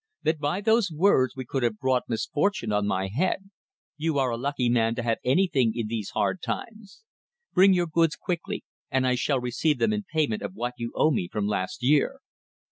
that by those words he could have brought misfortune on my head 'you are a lucky man to have anything in these hard times. Bring your goods quickly, and I shall receive them in payment of what you owe me from last year.